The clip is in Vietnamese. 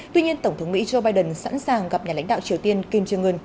tuy nhiên tổng thống mỹ joe biden sẵn sàng gặp nhà lãnh đạo triều tiên kim jong un